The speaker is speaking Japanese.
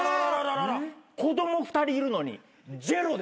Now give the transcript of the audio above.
子供２人いるのにジェロです。